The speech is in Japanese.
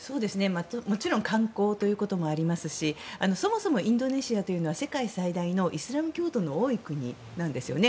もちろん観光ということもありますしそもそもインドネシアというのは世界最大のイスラム教徒の多い国なんですよね。